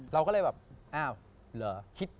เราก็เลยแบบห้าห์เหรอคิด